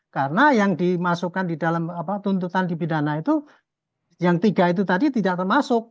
karena yang dimasukkan di dalam tuntutan di bidana itu yang tiga itu tadi tidak termasuk